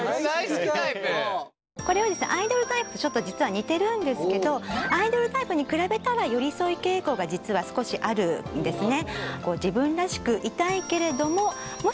これはですねアイドルタイプとちょっと実は似てるんですけどアイドルタイプに比べたら寄り添い傾向が実は少しあるんですね。